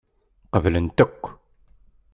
Qeblent akk.